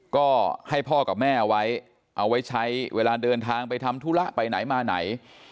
ก็ให้พ่อกับแม่เอาไว้เอาไว้ใช้เวลาเดินทางไปทำธุระไปไหนมาไหน